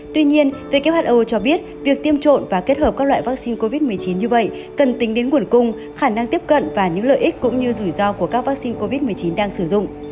tuy nhiên who cho biết việc tiêm trộn và kết hợp các loại vaccine covid một mươi chín như vậy cần tính đến nguồn cung khả năng tiếp cận và những lợi ích cũng như rủi ro của các vaccine covid một mươi chín đang sử dụng